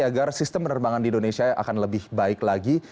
agar sistem penerbangan di indonesia akan lebih baik lagi